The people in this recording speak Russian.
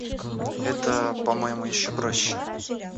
Это, по-моему, еще проще.